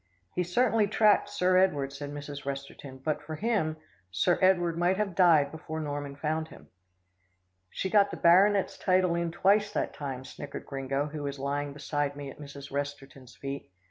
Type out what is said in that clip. "He certainly tracked Sir Edward," said Mrs. Resterton, "but for him, Sir Edward might have died before Norman found him." "She got the baronet's title in twice that time," snickered Gringo who was lying beside me at Mrs. Resterton's feet.